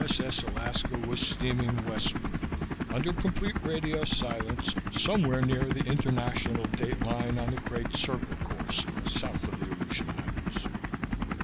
S.S. Alaska, was steaming westward, under complete radio silence, somewhere near the international date line on the Great Circle course south of the Aleutian Islands.